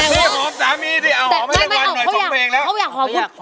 ไม่หอมสามีสิเอาหอมให้ละกว่าหน่อยชมเพลงแล้ว